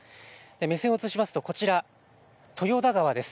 目線を移しますとこちら、豊田川です。